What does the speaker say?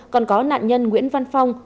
còn có nạn nhân nguyễn văn phong